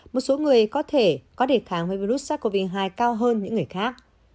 một số người có thể có đề kháng với virus sars cov hai cao hơn những người khác